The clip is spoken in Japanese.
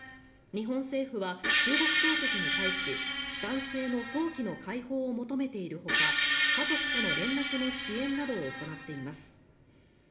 日本政府は、中国当局に対し男性の早期の解放を求めているほか家族との連絡の支援などを行っています。